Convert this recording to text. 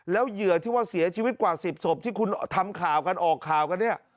แล้วเหยื่อที่ว่าเสียชีวิตกว่า๑๐ศพที่คุณทำข่าวกันออกข่าวกันเนี่ย